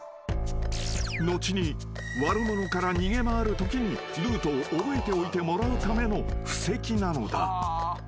［後に悪者から逃げ回るときにルートを覚えておいてもらうための布石なのだ］